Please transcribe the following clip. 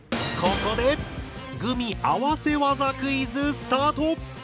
ここでグミ合わせ技クイズスタート！